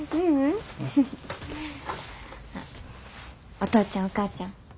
お父ちゃんお母ちゃん。